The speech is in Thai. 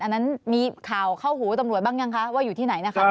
อันนั้นมีข่าวเข้าหูตำรวจบ้างยังคะว่าอยู่ที่ไหนนะคะ